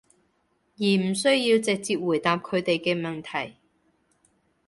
而唔需要直接回答佢哋嘅問題